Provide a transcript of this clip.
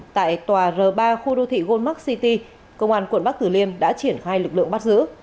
tại tòa r ba khu đô thị goldmark city công an quận bắc tử liêm đã triển khai lực lượng bắt giữ